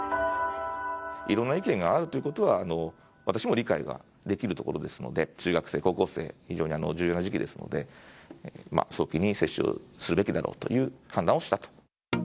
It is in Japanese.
いろんな意見があるということは、私も理解ができるところですので、中学生、高校生、非常に重要な時期ですので、早急に接種するべきだろうという判断をしたと。